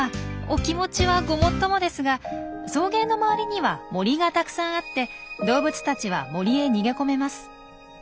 お気持ちはごもっともですが草原の周りには森がたくさんあって動物たちは森へ逃げ込めます。